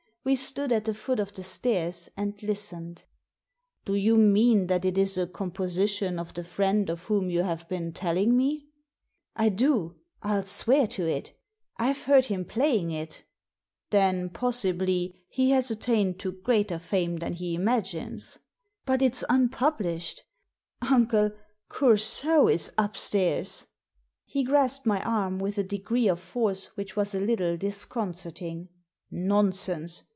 We stood at the foot of the stairs and listened. "Do you mean that it is a composition of the friend of whom you have been telling me ?" Digitized by VjOO^IC THE VIOLIN loi I da FU swear to it ! I've heard him playing it!" Then, possibly, he has attained to greater fame than he imagines." "But it's unpublished Uncle, Coursault is up stairs!" « He grasped my arm with a degree of force which was a little disconcerting. "Nonsense!